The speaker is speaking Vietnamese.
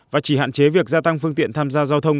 và chỉ hạn chế việc gia tăng phương tiện tham gia giao thông